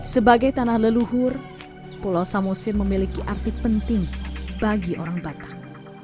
sebagai tanah leluhur pulau samosir memiliki arti penting bagi orang batak